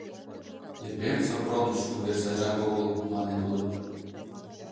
- Епрем Сопроныч, увер сайжак огыл, — мане тудо.